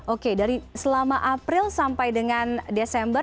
oke dari selama april sampai dengan desember